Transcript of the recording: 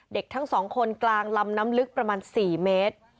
เด็กทั้งสองคนกลางลำน้ำลึกประมาณ๔เมตร